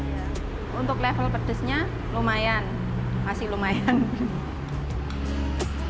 untuk level pedesnya lumayan masih lumayan